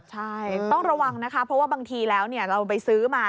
ใช่ต้องระวังนะคะเพราะว่าบางทีแล้วเราไปซื้อมา